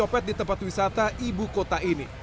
copet di tempat wisata ibu kota ini